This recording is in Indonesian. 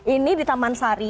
ini di taman sari